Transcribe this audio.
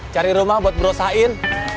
cari rumah buat berusahain